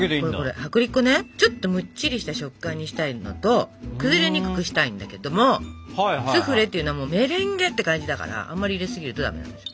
薄力粉ねちょっとむっちりした食感にしたいのと崩れにくくしたいんだけどもスフレっていうのはメレンゲって感じだからあんまり入れすぎるとダメなんですよ。